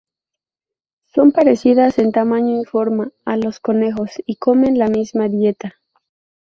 Son parecidas en tamaño y forma a los conejos y comen la misma dieta.